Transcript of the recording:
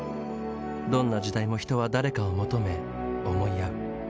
どんな時代も人は誰かを求め思い合う。